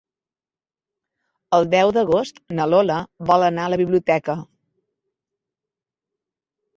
El deu d'agost na Lola vol anar a la biblioteca.